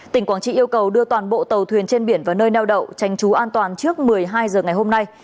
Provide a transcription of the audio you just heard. tỉnh quảng trị yêu cầu đưa toàn bộ tàu thuyền trên biển vào nơi neo đậu tranh trú an toàn trước một mươi hai h ngày hôm nay